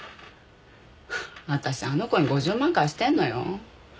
私あの子に５０万貸してんのよ。